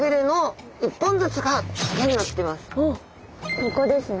ここですね。